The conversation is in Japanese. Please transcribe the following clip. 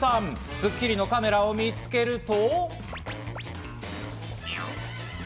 『スッキリ』のカメラを見つけると。